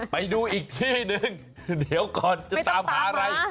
ไปดูอีกที่หนึ่งเดี๋ยวก่อนจะตามหาอะไร